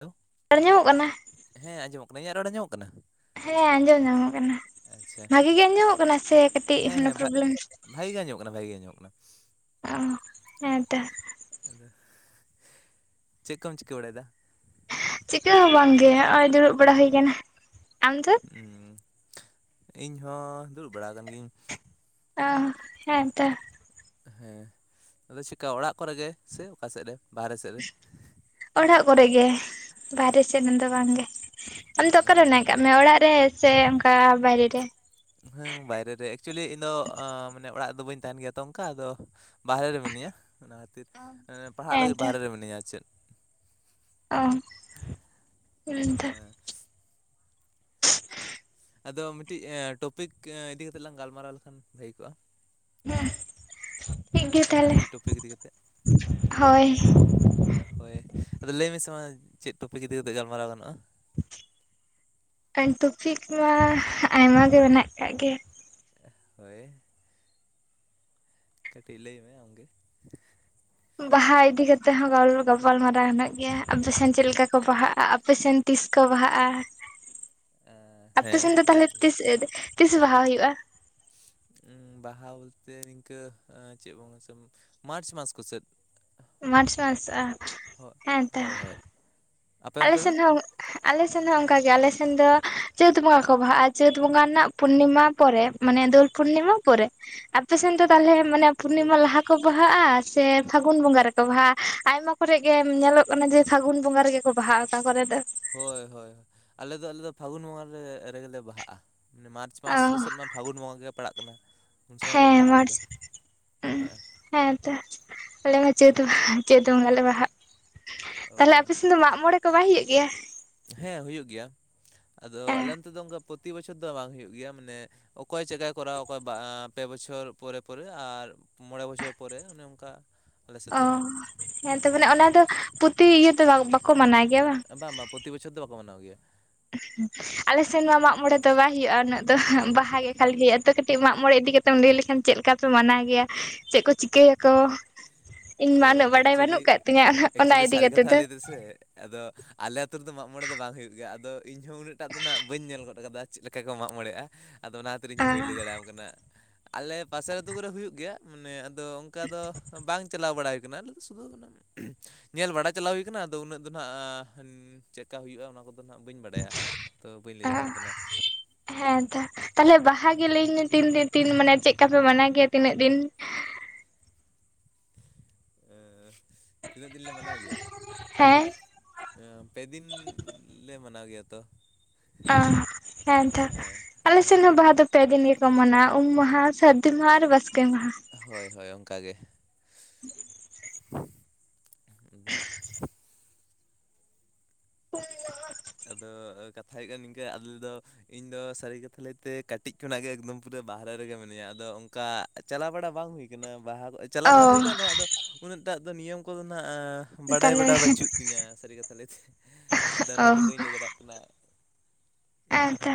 Hello ᱨᱚᱲ ᱟᱡᱚᱢᱚᱜ ᱠᱟᱱᱟ? ᱦᱮᱸ ᱟᱸᱡᱚᱢᱚᱜ ᱠᱟᱱᱟ ᱾ ᱤᱧᱟᱹᱜ ᱨᱚᱲ ᱟᱸᱡᱚᱢᱚᱜ ᱠᱟᱱᱟ? ᱦᱮᱸ ᱟᱸᱡᱚᱢ ᱧᱟᱢᱚᱜ ᱠᱟᱱᱟ ᱟᱪᱪᱷᱟ ᱵᱷᱟᱜᱤ ᱜᱮ ᱟᱸᱡᱚᱢᱚᱜ ᱠᱟᱱᱟ ᱥᱮ ᱠᱟᱹᱴᱤᱡ ᱦᱮᱸ ᱦᱮᱸ ᱵᱷᱟ ᱯᱨᱚᱵᱽᱞᱮᱢ ᱵᱷᱟᱜᱮ ᱜᱮ ᱟᱡᱚᱢᱚᱜ ᱠᱟᱱᱟ ᱵᱷᱟᱜᱮ ᱜᱮ ᱟᱡᱚᱢᱚᱜ ᱠᱟᱱᱟ᱾ ᱚ ᱦᱮᱸᱛᱚ ᱟᱫᱚ ᱪᱮᱫ ᱠᱚᱢ ᱪᱤᱠᱟᱹ ᱵᱟᱲᱟᱭᱮᱫᱟ? ᱪᱤᱠᱟᱹ ᱦᱚᱸ ᱵᱟᱝᱜᱮ ᱱᱚᱜ ᱚᱭ ᱫᱩᱲᱩᱵ ᱵᱟᱲᱟ ᱦᱩᱭ ᱟᱠᱟᱱᱟ᱾ ᱟᱢ ᱫᱚ? ᱤᱧᱦᱚᱸ ᱫᱩᱲᱩᱵ ᱵᱟᱲᱟ ᱟᱠᱟᱱ ᱜᱤᱭᱟᱹᱧ ᱚ ᱦᱮᱸ ᱛᱚ ᱦᱮᱸ ᱟᱫᱚ ᱪᱤᱠᱟ ᱚᱲᱟᱜ ᱠᱚᱨᱮ ᱜᱮ ᱥᱮ ᱚᱠᱟ ᱥᱮᱫ ᱨᱮ? ᱵᱟᱦᱨᱮ ᱥᱮᱫ ᱨᱮ ᱚᱲᱟᱜ ᱠᱚᱨᱮ ᱜᱮ ᱵᱟᱦᱨᱮ ᱥᱮᱫ ᱨᱮᱫᱚ ᱵᱟᱝᱜᱮ᱾ ᱟᱢ ᱫᱚ ᱚᱠᱟᱨᱮ ᱚᱸ ᱢᱮᱱᱟᱜ ᱠᱟᱜ ᱢᱮ ᱚᱲᱟᱜ ᱨᱮ ᱥᱮ ᱚᱠᱟ ᱵᱟᱭᱨᱮ ᱨᱮ? ᱦᱮᱸ ᱵᱟᱭᱨᱮ ᱨᱮ ᱮᱠᱪᱩᱭᱮᱞᱤ ᱤᱧ ᱫᱚ ᱢᱟᱱᱮ ᱚᱲᱟᱜ ᱫᱚ ᱵᱟᱹᱧ ᱛᱟᱦᱮᱱ ᱜᱮᱭᱟ ᱛᱚ ᱚᱱᱠᱟ ᱟᱫᱚ ᱵᱟᱦᱨᱮ ᱨᱮ ᱢᱤᱱᱟᱹᱧᱟ ᱚᱱᱟ ᱛᱤᱨ ᱯᱟᱲᱦᱟᱜ ᱞᱟᱹᱜᱤᱫ ᱦᱮᱸᱛᱚ ᱵᱟᱦᱨᱮ ᱨᱮ ᱢᱤᱱᱟᱹᱧᱟ ᱪᱮᱫ ᱚᱸ ᱦᱮᱸ ᱛᱚ ᱦ [inaudible] ᱟᱫᱚ ᱢᱤᱫ ᱴᱤᱡ ᱴᱚᱯᱤᱠ ᱤᱫᱤ ᱠᱟᱛᱮᱜ ᱞᱟᱝ ᱜᱟᱞᱢᱟᱨᱟᱣ ᱞᱮᱠᱷᱟᱱ ᱵᱷᱟᱜᱮ ᱠᱚᱜᱼᱟ ᱦᱮᱸ ᱴᱷᱤᱠ ᱜᱮᱭᱟ ᱡᱟᱦᱟᱱᱟᱜ ᱛᱟᱦᱚᱞᱮ ᱢᱤᱫᱴᱤᱡ ᱴᱚᱯᱤᱠ ᱤᱫᱤ ᱠᱟᱛᱮ ᱦᱳᱭ ᱦᱳᱭ ᱟᱫᱚ ᱞᱟᱹᱭ ᱢᱮᱥᱮ ᱢᱟ ᱪᱮᱫ ᱴᱚᱯᱤᱠ ᱤᱫᱤ ᱠᱟᱛᱮᱫ ᱜᱟᱞᱢᱟᱨᱟᱣ ᱜᱟᱱᱚᱜᱼᱟ? ᱴᱚᱯᱤᱠ ᱢᱟ ᱟᱭᱢᱟ ᱜᱮ ᱢᱮᱱᱟᱜ ᱟᱠᱟᱫ ᱜᱮ ᱦᱳᱭ ᱠᱟᱹᱴᱤᱡ ᱞᱟᱹᱭ ᱢᱮ ᱟᱢ ᱜᱮ᱾ ᱵᱟᱦᱟ ᱤᱫᱤ ᱠᱟᱛᱮᱜ ᱦᱚᱸ ᱜᱟᱯᱟᱞ ᱢᱟᱨᱟᱨᱟᱣ ᱦᱮᱱᱟᱜ ᱜᱮᱭᱟ ᱟᱯᱮᱥᱮᱱ ᱪᱮᱫ ᱞᱮᱠᱟ ᱠᱚ ᱵᱟᱦᱟᱜᱼᱟ ᱟᱯᱮᱥᱮᱱ ᱛᱤᱥ ᱠᱚ ᱵᱟᱦᱟᱜᱼᱟ? [inaudible] ᱟᱯᱮ ᱦᱮᱸ ᱥᱮᱱ ᱫᱚ ᱛᱟᱦᱚᱞᱮ ᱜᱟᱱᱚᱜ ᱜᱮᱭᱟ᱾ ᱛᱤᱥ ᱛᱤᱥ ᱵᱟᱦᱟ ᱦᱩᱭᱩᱜᱼᱟ ᱵᱟᱦᱟ ᱵᱚᱞᱛᱮ ᱱᱤᱝᱠᱟᱹ ᱪᱮᱫ ᱵᱚᱸᱜᱟ [inaudible] ᱢᱟᱨᱪ ᱢᱟᱥ ᱠᱚ ᱥᱮᱫ ᱢᱟᱨᱪ ᱢᱟᱥ ᱦᱳᱭ ᱦᱮᱸᱛᱚ ᱦᱳᱭ ᱦᱳᱭ ᱟᱯᱮ ᱟᱞᱮ ᱚᱱᱛᱮ ᱫᱚ ᱥᱮᱱ ᱦᱚᱸ ᱟᱞᱮᱥᱱ ᱦᱚᱸ ᱚᱱᱠᱟᱜᱮ ᱟᱞ ᱥᱮᱱ ᱫᱚ ᱪᱟᱹᱛ ᱵᱚᱸᱜᱟ ᱠᱚ ᱵᱟᱦᱟᱜᱼᱟ ᱪᱟᱹᱛ ᱵᱚᱸᱜᱟ ᱨᱮᱱᱟᱜ ᱯᱩᱨᱱᱤᱢᱟ ᱯᱚᱨᱮ ᱢᱟᱱᱮ ᱫᱳᱞ ᱯᱩᱨᱱᱤᱢᱟ ᱯᱚᱨᱮ ᱟᱯᱮ ᱥᱮᱱ ᱫᱚ ᱛᱟᱦᱚᱞᱮ ᱢᱟᱱᱮ ᱪᱟᱹᱛ ᱯᱩᱨᱱᱤᱢᱟ ᱞᱟᱦᱟ? ᱠᱚ ᱵᱟᱦᱟᱜᱼᱟ ᱥᱮ ᱯᱷᱟᱹᱜᱩᱱ ᱵᱚᱸᱜᱟ ᱨᱮᱠᱚ ᱵᱟᱦᱟᱜᱼᱟ? ᱟᱭᱢᱟ ᱠᱚᱨᱮ ᱜᱮ ᱧᱮᱞᱚᱜ ᱠᱟᱱᱟ ᱡᱮ ᱯᱷᱟᱹᱜᱩᱱ ᱵᱚᱸᱜᱟ ᱨᱮᱜᱮ ᱠᱚ᱾ ᱵᱟᱦᱟ ᱚᱠᱟ ᱠᱚᱨᱮᱼᱫ ᱦᱳᱭ ᱦᱳᱭ ᱟᱞᱮᱫᱚ ᱟᱞᱮᱫᱚ ᱯᱷᱟᱹᱜᱩᱱ ᱵᱚᱸᱜᱟ ᱨᱮ ᱨᱮᱜᱮ ᱞᱮ ᱵᱟᱦᱟᱜᱼᱟ ᱢᱟᱱᱮ ᱢᱟᱨᱪ ᱚ ᱢᱟᱥ ᱠᱚᱥᱮᱫ ᱢᱟ ᱯᱷᱟᱹᱜᱩᱱ ᱵᱚᱸᱜᱟ ᱜᱮ ᱯᱟᱲᱟᱜ ᱠᱟᱱᱟ᱾ ᱩᱱ ᱥᱚᱢᱚᱭ ᱜᱮᱞᱮ ᱦᱮᱸ ᱵᱟᱦᱟᱜᱼᱟ ᱟᱞᱮ ᱢᱟᱨᱪ ᱫᱚ ᱦᱮᱸ ᱦᱮᱸ ᱛᱚ ᱟᱞᱮ ᱢᱟ ᱪᱟᱹᱫ ᱪᱮᱫ ᱵᱟᱝᱚᱸᱜᱟ ᱞᱮ ᱵᱟᱦᱟᱜ ᱛᱟᱞᱮ ᱚ ᱟᱯᱮ ᱥᱮᱱ ᱫᱚ ᱢᱟᱜ ᱢᱚᱬᱮ ᱠᱚ ᱵᱟᱭ ᱦᱩᱭᱩᱜ ᱜᱮᱭᱟ? ᱦᱮᱸ ᱦᱩᱭᱩᱜ ᱜᱮᱭᱟ ᱟᱫᱚ ᱟᱞᱮ ᱚᱱᱛᱮ ᱫᱚ ᱚᱱᱠᱟ ᱯᱨᱚᱛᱤ ᱵᱚᱪᱷᱚᱨ ᱫᱚ ᱵᱟᱝ ᱦᱩᱭᱩᱜ ᱜᱮᱭᱟ ᱢᱟᱱᱮ᱾ ᱚᱠᱚᱭ ᱪᱮᱠᱟᱭ ᱠᱚᱨᱟᱣᱟ ᱠᱟ ᱵᱟᱸ ᱯᱮ ᱵᱚᱪᱷᱚᱨ ᱯᱚᱨᱮ ᱯᱚᱨᱮ ᱟᱨ ᱢᱚᱬᱮ ᱵᱚᱪᱷᱚᱨ ᱯᱚᱨᱮ ᱚᱱᱮ ᱚᱱᱠᱟ᱾ ᱟᱞᱮ ᱥᱮᱫ ᱚ ᱫᱚ ᱦᱮᱸ ᱛᱚ ᱢᱚᱞᱮ ᱚᱱᱟ ᱫᱚ ᱯᱩᱛᱷᱤ ᱤᱭᱟᱹ ᱫᱚ ᱵᱟᱠᱚ ᱢᱟᱱᱟᱣ ᱜᱮᱭᱟ ᱵᱟᱝ? ᱯᱨᱚᱛᱤ ᱵᱚᱪᱷᱚᱨ ᱫᱚ ᱵᱟᱠᱚ ᱢᱟᱱᱟᱣ ᱜᱮᱭᱟ᱾ ᱟᱞᱮ ᱥᱮᱱ ᱢᱟ ᱢᱟᱜᱽ ᱢᱚᱬᱮ ᱫᱚ ᱵᱟᱭ ᱦᱩᱭᱩᱜᱼᱟ ᱩᱱᱟᱹᱜ ᱫᱚ ᱵᱟᱦᱟ ᱜᱮ ᱠᱷᱟᱹᱞᱤ ᱦᱩᱭᱩᱜᱼᱟ ᱛᱚ ᱠᱟᱹᱴᱤᱡ ᱢᱟᱜᱽ ᱢᱚᱬᱮ ᱤᱫᱤ ᱠᱟᱛᱮ ᱛᱮᱢ ᱞᱟᱹᱭ ᱞᱮᱠᱷᱟᱱ ᱪᱮᱫ ᱞᱮᱠᱟ ᱯᱮ ᱢᱟᱱᱟᱣ ᱜᱮᱭᱟ ᱪᱮᱫ ᱠᱚ ᱪᱤᱠᱟᱹᱭᱟᱠᱚ ᱤᱧ ᱚ ᱢᱟ ᱩᱱᱟᱹᱜ ᱵᱟᱰᱟᱭ ᱮᱠᱪᱩᱭᱮᱞᱤ ᱵᱟᱹᱱᱩᱜ ᱠᱟᱜ ᱛᱤᱧᱟᱹ ᱚᱱᱟ ᱮᱠᱪᱩᱭᱮᱞᱤ ᱤᱫᱤ ᱥᱟᱹᱨᱤ ᱠᱟᱛᱮ ᱠᱟᱛᱷᱟ ᱫᱚ᱾ ᱞᱟᱹᱭᱫ ᱥᱮ ᱟᱫᱚ ᱟᱞᱮ ᱟ ᱟᱹᱛᱩ ᱨᱮᱫᱚ ᱢᱟᱜᱽ ᱢᱚᱬᱮ ᱫᱚ ᱵᱟᱝ ᱦᱩᱭᱩᱜ ᱜᱮᱭᱟ ᱟᱫᱚ ᱤᱧᱦᱚᱸ ᱩᱱᱟᱹᱜ ᱴᱟᱜ ᱫᱚ ᱜ ᱵᱟᱹᱧ ᱧᱮᱞ ᱜᱚᱫ ᱠᱟᱫᱟ ᱪᱮᱫ ᱞᱮᱠᱟ ᱠᱚ ᱢᱟᱜ ᱢᱚᱬᱮᱜᱼᱟ᱾ ᱟᱫᱚ ᱚᱱᱟ ᱠᱷᱟᱹᱛᱤᱨ ᱤᱧᱦ ᱦᱚᱸ ᱵᱟᱹᱧ ᱞᱟᱹᱭ ᱫᱟᱲᱮᱭᱣᱟᱟᱢ ᱠᱟᱱᱟ ᱟᱞᱮ ᱯᱟᱥᱮ ᱟᱹᱛᱩ ᱠᱚᱨᱮ ᱦᱩᱭᱩᱜ ᱜᱮᱭᱟ ᱢᱟᱱᱮ ᱟᱫᱚ ᱚᱱᱠᱟ ᱫᱚ ᱵᱟᱝ ᱥᱩᱫᱩ ᱧᱮᱞ ᱵᱟᱲᱟ ᱪᱟᱞᱟᱣ ᱦᱩᱭ ᱟᱠᱟᱱᱟ ᱩᱱᱟᱹᱜ ᱫᱚ ᱱᱟ ᱪᱮᱫᱮᱠᱟ ᱦᱩᱭᱩᱜᱼᱟ ᱚᱱᱟ ᱠᱚᱫᱚ ᱦᱜ ᱵᱟᱹᱧ ᱵᱟᱲᱟᱭᱟ? ᱛᱚ ᱵᱟᱹᱧ ᱞᱟᱹᱭ ᱫᱟᱲᱮᱣᱟᱟᱢ ᱠᱟᱱᱟ᱾ ᱦᱮᱸᱛᱚ ᱛᱟᱦᱞᱮ ᱵᱟᱦᱟ ᱜᱮ ᱞᱟᱭᱹᱤᱧ ᱛᱤᱱ ᱛᱤᱱ ᱢᱟᱱᱮ ᱪᱮᱫ ᱠᱟ ᱯᱮ ᱢᱟᱱᱟ ᱜᱮᱭᱟ ᱛᱤᱱᱟᱹᱜ ᱫᱤᱱ? ᱮᱸ ᱛᱤᱱᱟᱹᱜ ᱫᱤᱱ ᱞᱮ ᱢᱟᱱᱟᱣ ᱜᱮᱭᱟ ᱦᱮᱸ ᱮᱸ ᱯᱮ ᱫᱤᱱ ᱞᱮ ᱢᱟᱱᱟᱣ ᱜᱮᱭᱟ ᱛᱚ ᱚᱸ ᱮᱛᱚ ᱦᱮᱸ ᱟᱞᱮᱥᱮᱫ ᱦᱚᱸ ᱵᱟᱦᱟ ᱫᱚ ᱯᱮ ᱫᱤᱱ ᱜᱮᱠᱚ ᱢᱟᱱᱟ ᱩᱢ ᱢᱟᱦᱟ, ᱥᱟᱹᱨᱫᱤ ᱢᱟᱦᱟ ᱟᱨ ᱵᱟᱥᱠᱮ ᱢᱟᱦᱟ᱾ ᱦᱳᱭ ᱦᱳᱭ ᱚᱱᱠᱟ ᱜᱮ᱾ [inaudible] [unintelligible] ᱯᱮ ᱢᱟᱦᱟ ᱟᱫᱚ ᱠᱟᱛᱷᱟ ᱦᱩᱭᱩᱜ ᱠᱟᱱᱟ ᱱᱤᱝᱠᱟᱹ ᱟᱞᱮ ᱫᱚ ᱤᱧ ᱫᱚ ᱥᱟᱹᱨᱤ ᱠᱟᱛᱷᱟ ᱞᱟᱹᱭᱛᱮ ᱠᱟᱹᱴᱤᱡ ᱠᱷᱚᱱᱟᱜ ᱜᱮ ᱮᱠᱫᱚᱢ ᱯᱩᱨᱟᱹ ᱵᱟᱦᱨᱮ ᱨᱮᱜᱮ ᱢᱤᱱᱟᱹᱧᱟ ᱟᱫᱚ ᱚᱱᱠᱟ ᱪᱟᱞᱟᱣ ᱵᱟᱲᱟ ᱵᱟᱝ ᱦᱳᱭ ᱠᱟᱱᱟ, ᱵᱟᱦᱟ ᱪᱟᱞᱟᱣ ᱚ ᱵᱟᱲᱟ ᱦᱳᱭ ᱟᱠᱟᱱ ᱨᱮᱦᱚᱸ ᱟᱫᱚ ᱩᱱᱟᱹᱜᱴᱟᱜ ᱫᱚ ᱱᱤᱭᱚᱢ ᱠᱚᱫᱚ ᱱᱟᱜ ᱟ ᱵᱟᱰᱟᱭ ᱛᱟᱦᱚᱞᱮ ᱵᱟᱰ ᱵᱟᱹᱪᱩᱜ ᱛᱤᱧᱟᱹ ᱥᱟᱹᱨᱤ ᱠᱟᱛᱷᱟ ᱞᱟᱹᱭᱛᱮ ᱟᱫᱚ ᱚ ᱚᱱᱟ ᱵᱟᱹᱧ ᱞᱟᱹᱭ ᱫᱟᱲᱮᱭᱟᱜ ᱠᱟᱱᱟ ᱤᱱᱟᱹᱜ ᱦᱮᱸ ᱱᱟᱸᱜ ᱛᱚ